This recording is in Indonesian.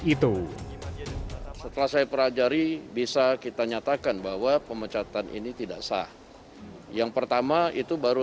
itu setelah saya pelajari bisa kita nyatakan bahwa pemecatan ini tidak sah yang pertama itu baru